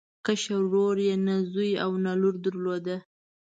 کشر ورور یې نه زوی او نه لور درلوده.